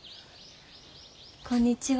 こんにちは。